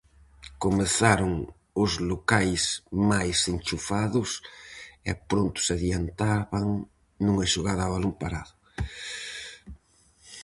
Comezaron os locais máis enchufados e pronto se adiantaban nunha xogada a balón parado.